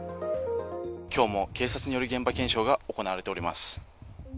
今日も警察による現場検証が行われております。